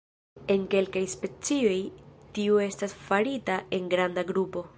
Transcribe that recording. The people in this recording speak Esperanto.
En kelkaj specioj, tiu estas farita en granda grupo.